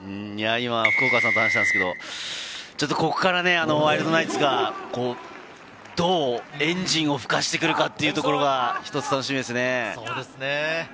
今、福岡さんと話してたんですけど、ちょっとここからワイルドナイツがどうエンジンをふかしてくるかっていうところが、一つ楽しみですね。